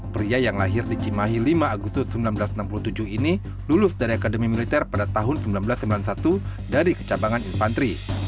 pria yang lahir di cimahi lima agustus seribu sembilan ratus enam puluh tujuh ini lulus dari akademi militer pada tahun seribu sembilan ratus sembilan puluh satu dari kecabangan infanteri